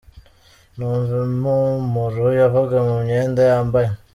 Numva impumuro yavaga mu myenda yambaye.